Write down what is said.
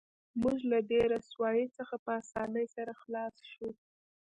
موږ له دې رسوایۍ څخه په اسانۍ سره خلاص شو